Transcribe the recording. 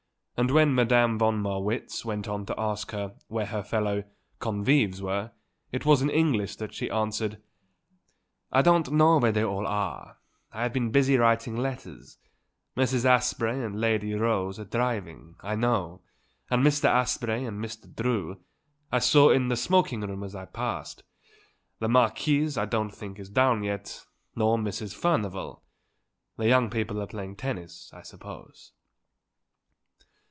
And when Madame von Marwitz went on to ask her where her fellow convives were, it was in English that she answered, "I don't know where they all are I have been busy writing letters; Mrs. Asprey and Lady Rose are driving, I know, and Mr. Asprey and Mr. Drew I saw in the smoking room as I passed. The Marquis I don't think is down yet, nor Mrs. Furnivall; the young people are playing tennis, I suppose."